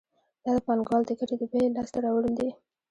دا د پانګوال د ګټې د بیې لاس ته راوړل دي